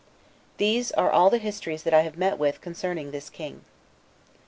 These are all the histories that I have met with concerning this king.